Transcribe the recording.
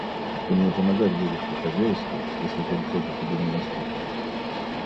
Ты мне помогать будешь по хозяйству, если только это тебе не наскучит.